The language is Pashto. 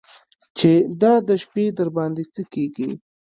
چې دا د شپې درباندې څه کېږي.